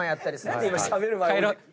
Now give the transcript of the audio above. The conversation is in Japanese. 何で今しゃべる前。